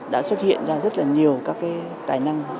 đã xuất hiện ra rất là nhiều các cái tài năng âm nhạc mới